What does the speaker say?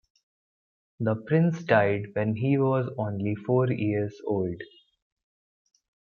The prince died when he was only four years old.